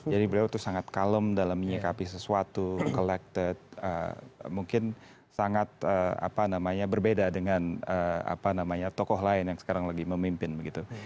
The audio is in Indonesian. jadi beliau itu sangat kalem dalam menyikapi sesuatu collected mungkin sangat apa namanya berbeda dengan apa namanya tokoh lain yang sekarang lagi memimpin begitu